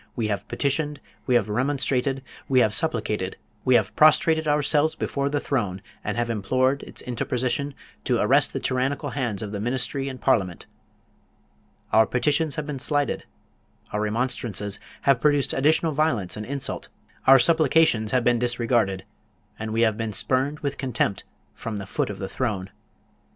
We have petitioned, we have remonstrated, we have supplicated, we have prostrated ourselves before the throne, and have implored its interposition to arrest the tyrannical hands of the Ministry and Parliament. Our petitions have been slighted; our remonstrances have produced additional violence and insult; our supplications have been disregarded, and we have been spurned with contempt from the foot of the throne.